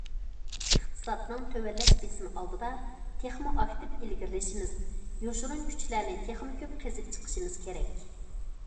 ئىقتىسادنىڭ تۆۋەنلەش بېسىمى ئالدىدا تېخىمۇ ئاكتىپ ئىلگىرىلىشىمىز، يوشۇرۇن كۈچلەرنى تېخىمۇ كۆپ قېزىپ چىقىشىمىز كېرەك.